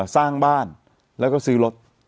สร้างบ้านแล้วก็ซื้อรถ